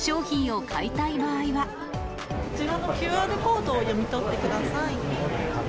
こちらのＱＲコードを読み取ってください。